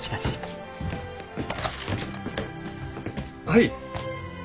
はい。